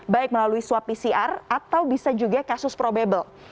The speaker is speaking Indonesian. baik melalui swab pcr atau bisa juga kasus probable